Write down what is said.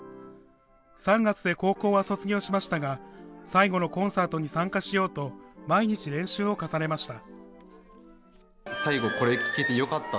３月で高校は卒業しましたが最後のコンサートに参加しようと毎日練習を重ねました。